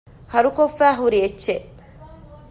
ހަރުކޮށްފައިހުރި އެއްޗެއް